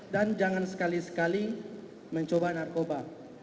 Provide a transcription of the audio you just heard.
dan jangan sekali sekali mencoba narkoba